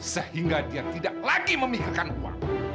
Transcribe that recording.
sehingga dia tidak lagi memikirkan uang